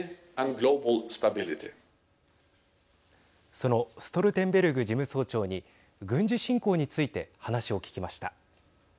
そのストルテンベルグ事務総長に軍事侵攻について話を聞きました。